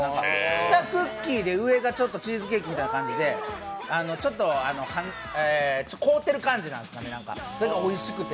下クッキーで、上がチーズケーキみたいな感じで、ちょっと凍ってる感じなんですかね、それがおいしくて。